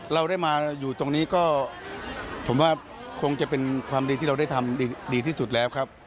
เราได้มาอยู่ตรงนี้ก็ผมว่าคงจะเป็นความดีที่เราได้ทำดีที่สุดแล้วครับ